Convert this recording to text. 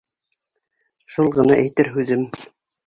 Шул ғына әйтер һүҙем.